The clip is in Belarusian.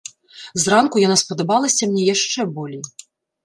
Зранку яна спадабалася мне яшчэ болей.